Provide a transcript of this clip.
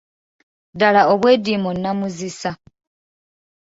Ddala obwediimo nnamuzisa.